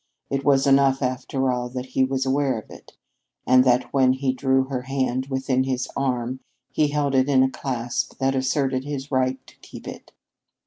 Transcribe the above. It was enough, after all, that he was aware of it, and that when he drew her hand within his arm he held it in a clasp that asserted his right to keep it.